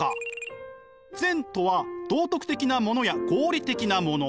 善とは道徳的なものや合理的なもの。